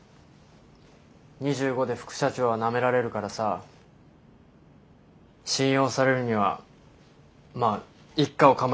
２５で副社長はなめられるからさ信用されるにはまあ一家を構えるのが一番だって。